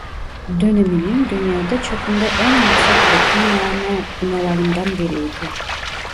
Döneminin dünyada çapında en yüksek betonarme binalarından biriydi.